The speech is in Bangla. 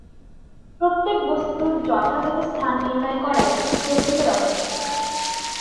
প্রত্যেক বস্তুর যথাযথ স্থান নির্ণয় করাই প্রকৃত রহস্য।